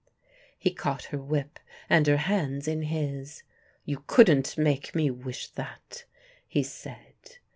He caught her whip and her hands in his. "You couldn't make me wish that," he said.